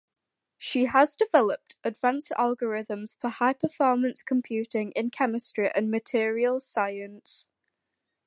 She has developed advanced algorithms for high performance computing in chemistry and materials science.